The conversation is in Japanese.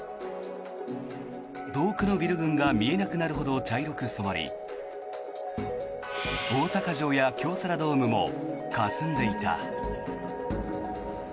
遠くのビル群が見えなくなるほど茶色く染まり大阪城や京セラドームもかすんでいた。